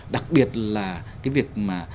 đặc biệt là cái việc mà